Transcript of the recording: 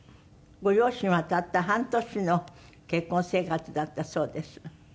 ご両親はたった半年の結婚生活だったそうです。